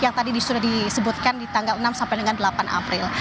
yang tadi sudah disebutkan di tanggal enam sampai dengan delapan april